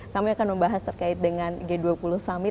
kami akan membahas terkait dengan g dua puluh summit